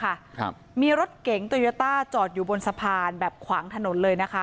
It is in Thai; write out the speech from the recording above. ครับมีรถเก๋งโตโยต้าจอดอยู่บนสะพานแบบขวางถนนเลยนะคะ